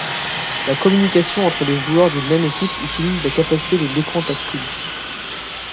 La communication entre les joueurs d'une même équipe utilise la capacité de l'écran tactile.